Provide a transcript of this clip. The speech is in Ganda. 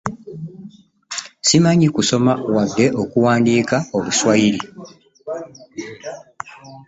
Simanyi kusoma wadde okuwandiika oluswayiri.